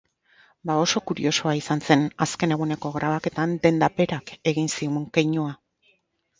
Ba oso kuriosoa izan zen azken eguneko grabaketan denda berak egin zigun keinua.